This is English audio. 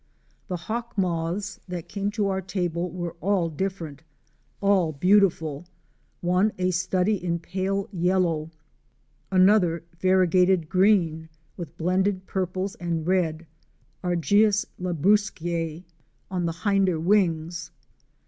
211 The hawk moths that came to our table were all different, all beautiful; one a study in pale yellow; another variegated green with blended purples and red (Argeus labruscae) on the hinder wings.